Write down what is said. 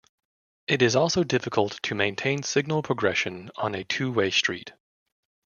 It is also difficult to maintain signal progression on a two-way street.